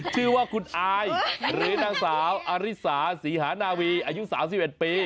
ชื่อว่าคุณอายหรือนางสาวอาริสาศรีหานาวีอายุ๓๑ปี